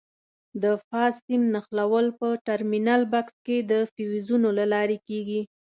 د فاز سیم نښلول په ټرمینل بکس کې د فیوزونو له لارې کېږي.